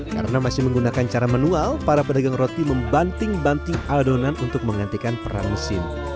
karena masih menggunakan cara manual para pedagang roti membanting banting adonan untuk menggantikan peran mesin